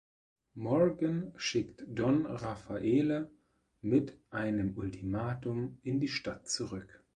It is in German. Morgan schickt Don Raffaele mit einem Ultimatum in die Stadt zurück.